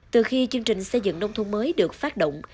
từ khi chương trình xây dựng nông thôn mới được phát động